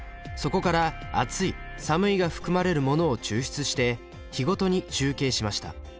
そこから暑い寒いが含まれるものを抽出して日ごとに集計しました。